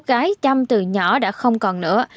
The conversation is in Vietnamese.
cái tram từ nhỏ đã không còn nữa